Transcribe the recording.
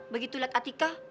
begitu liat atikah